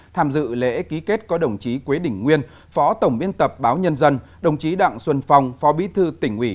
tham dự lễ ký kết có đồng chí quế đình nguyên phó tổng biên tập báo nhân dân đồng chí đặng xuân phong phó bí thư tỉnh ủy